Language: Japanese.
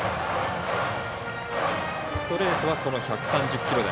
ストレートは１３０キロ台。